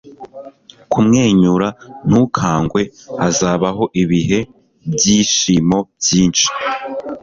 kumwenyura, ntukangwe; hazabaho ibihe byishimo byinshi